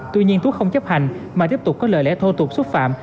tuy nhiên tú không chấp hành mà tiếp tục có lời lẽ thô tục xúc phạm